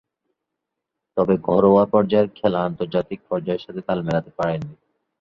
তবে, ঘরোয়া পর্যায়ের খেলা আন্তর্জাতিক পর্যায়ের সাথে তাল মেলাতে পারেননি।